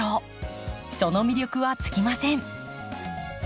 その魅力は尽きません。